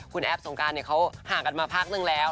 คุณแอฟสงการเขาห่างกันมาพักนึงแล้ว